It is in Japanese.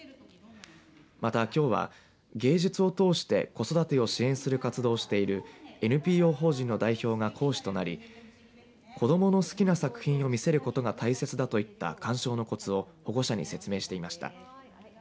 また、きょうは芸術を通して子育てを支援する活動をしているＮＰＯ法人の代表が講師となり子どもの好きな作品を見せることが大切だといった鑑賞のコツを保護者に説明していました。